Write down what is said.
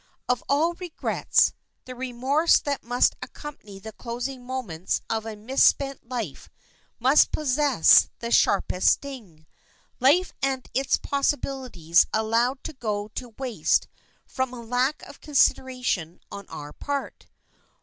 Of all regrets, the remorse that must accompany the closing moments of a misspent life must possess the sharpest sting. Life and its possibilities allowed to go to waste from a lack of consideration on our part!